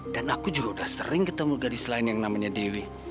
aku juga udah sering ketemu gadis lain yang namanya dewi